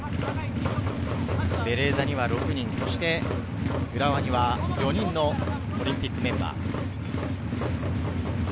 ベレーザに６人、浦和に４人のオリンピックメンバー。